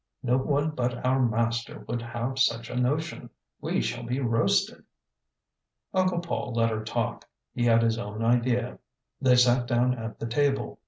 No one but our master would have such a notion. We shall be roasted. ŌĆØ Uncle Paul let her talk; he had his own idea. They sat down at the table.